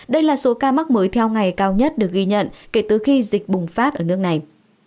đây là số ca mắc mới theo ngày cao nhất được ghi nhận kể từ khi dịch bùng phát ở nước này